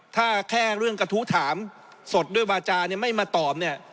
ถ้าแค่เรื่องกระทู้ถามสดด้วยวาจาเนี่ยไม่มาตอบเนี่ย